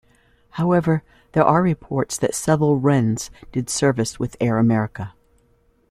However, there are reports that several "Wrens" did service with "Air America".